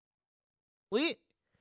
えっ？